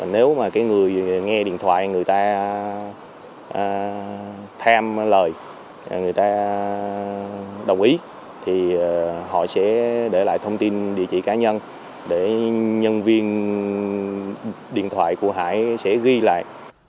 nếu mà cái người nghe điện thoại người ta lời người ta đồng ý thì họ sẽ để lại thông tin địa chỉ cá nhân để nhân viên điện thoại của hải sẽ ghi lại